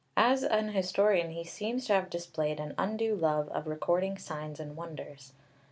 As an historian he seems to have displayed an undue love of recording signs and wonders.